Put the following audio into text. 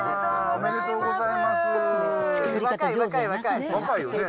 おめでとうございます。